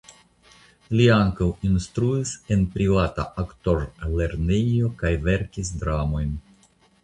Li ankaŭ instruis en privata aktorlernejo kaj verkis dramojn.